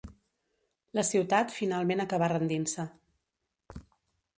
La ciutat finalment acabà rendint-se.